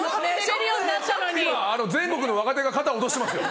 今全国の若手が肩落としてますよ。